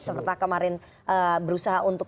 seperti kemarin berusaha untuk